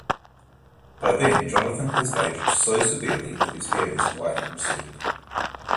By then, Jonathan has aged so severely that his hair is white and receded.